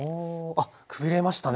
あっくびれましたね。